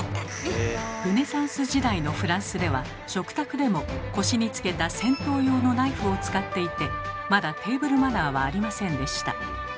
ルネサンス時代のフランスでは食卓でも腰につけた戦闘用のナイフを使っていてまだテーブルマナーはありませんでした。